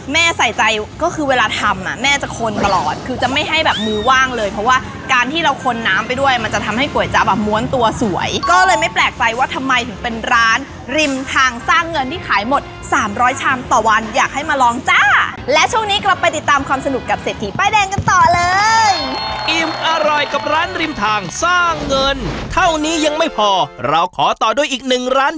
แม่ใส่ใจก็คือเวลาทำอ่ะแม่จะคนตลอดคือจะไม่ให้แบบมือว่างเลยเพราะว่าการที่เราคนน้ำไปด้วยมันจะทำให้ก๋วยจะแบบม้วนตัวสวยก็เลยไม่แปลกใจว่าทำไมถึงเป็นร้านริมทางสร้างเงินที่ขายหมดสามร้อยชามต่อวันอยากให้มาลองจ้าและช่วงนี้กลับไปติดตามความสนุกกับเศรษฐีป้ายแดงกันต่อเลยอร่